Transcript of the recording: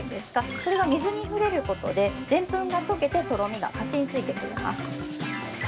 それが、水に触れることででんぷんが溶けてとろみが勝手についてくれます。